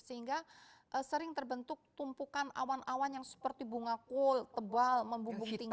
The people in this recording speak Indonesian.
sehingga sering terbentuk tumpukan awan awan yang seperti bunga kul tebal membumbung tinggi